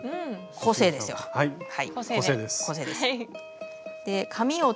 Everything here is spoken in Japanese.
個性です。